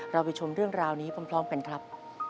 เราไปชมเรื่องราวนี้พร้อมกันครับ